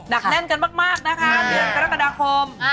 แน่นกันมากนะคะเดือนกรกฎาคม